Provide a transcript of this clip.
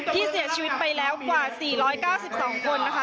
ที่เสียชีวิตไปแล้วกว่า๔๙๒คนนะคะ